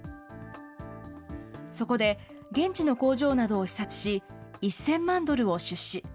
そこで、現地の工場などを視察し、１０００万ドルを出資。